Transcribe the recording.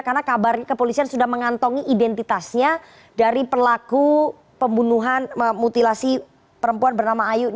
karena kabar kepolisian sudah mengantongi identitasnya dari pelaku pembunuhan mutilasi perempuan bernama ayu